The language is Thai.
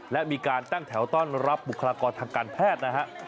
และมีการตั้งแถวต้อนรับบุคลากรทางการแพทย์นะฮะ